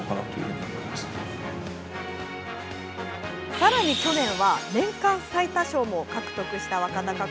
さらに去年は年間最多勝も獲得した若隆景。